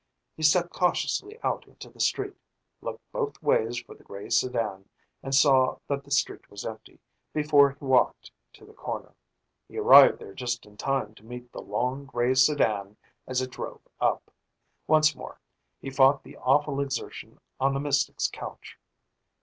He stepped cautiously out into the street, looked both ways for the gray sedan, and saw that the street was empty, before he walked to the corner. He arrived there just in time to meet the long gray sedan as it drove up. Once more he fought the awful exertion on the mystic's couch.